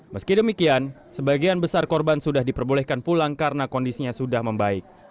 meski demikian sebagian besar korban sudah diperbolehkan pulang karena kondisinya sudah membaik